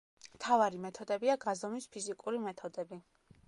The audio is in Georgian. მთავარი მეთოდებია გაზომვის ფიზიკური მეთოდები.